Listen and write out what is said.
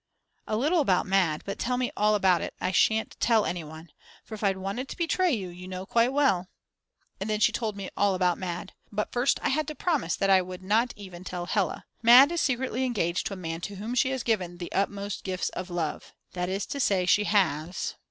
"A little about Mad; but tell me all about it; I shan't tell anyone. For if I'd wanted to betray you, you know quite well. ..." And then she told me all about Mad. But first I had to promise that I would not even tell Hella. Mad. is secretly engaged to a man to whom she has given "the utmost gifts of love," that is to say she has